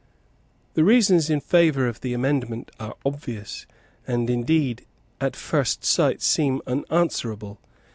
The reasons in favour of the amendment are obvious, and indeed at first sight seem unanswerable.